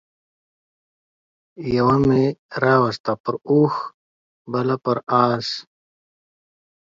يوه مې راوسته پر اوښ بله پر اس